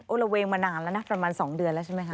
ระเวงมานานแล้วนะประมาณ๒เดือนแล้วใช่ไหมคะ